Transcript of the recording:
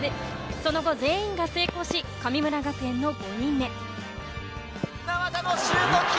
その後、全員が成功し神村学園の５人目。